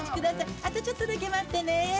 あとちょっとだけ、待ってね。